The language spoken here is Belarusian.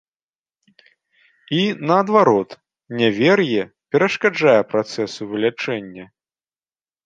І, наадварот, нявер'е перашкаджае працэсу вылячэння.